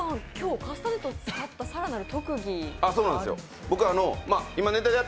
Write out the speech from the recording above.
カスタネットを使ったさらなる特技があると。